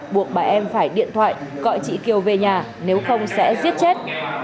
buộc bà em phải điện thoại gọi chị kiều về nhà nếu không sẽ giết chết